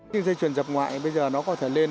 cái dây chuyền dập ngoại bây giờ nó có thể lên